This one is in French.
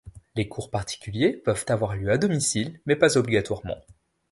Les cours particuliers peuvent avoir lieu à domicile mais pas obligatoirement.